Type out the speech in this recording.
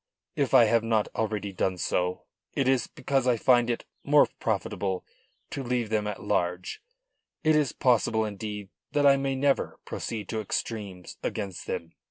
If I have not already done so it is because I find it more profitable to leave them at large; it is possible, indeed, that I may never proceed to extremes against them.